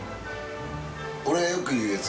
兇よく言うやつ。